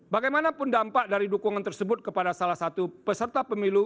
bagaimanapun dampak dari dukungan tersebut kepada salah satu peserta pemilu